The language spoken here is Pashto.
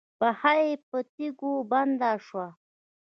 پښه یې په تيږو بنده شوه.